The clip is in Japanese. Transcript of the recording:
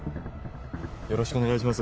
よろしくお願いします